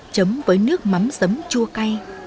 chấm với nước mắm giấm chua cay